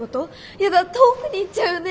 やだ遠くに行っちゃうね。